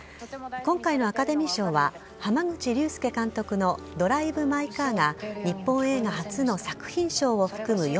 今回のアカデミー賞は濱口竜介監督の「ドライブ・マイ・カー」が日本映画初の作品賞を含む